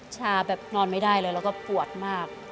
ชาแบบนอนไม่ได้เลยแล้วก็ปวดมาก